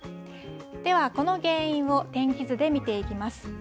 では、この原因を天気図で見ていきます。